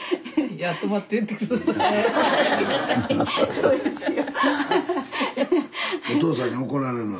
そうですよ。